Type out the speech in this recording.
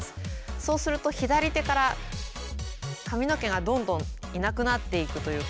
そうすると左手から髪の毛がどんどんいなくなっていくというか。